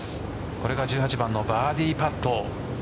これが１８番のバーディーパット。